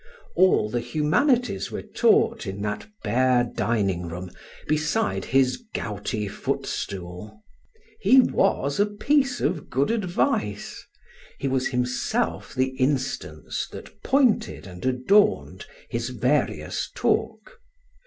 All the humanities were taught in that bare dining room beside his gouty footstool. He was a piece of good advice; he was himself the instance that pointed and adorned his various talk.